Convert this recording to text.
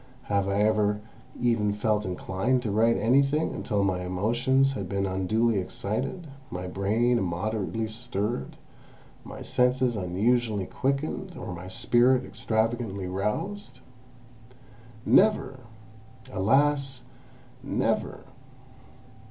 Have I ever even felt inclined to write anything, until my emotions had been unduly excited, my brain immoderately stirred, my senses unusually quickened, or my spirit extravagantly roused? Never! Alas, never!